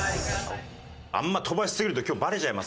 あんまり飛ばすぎると今日バレちゃいますから。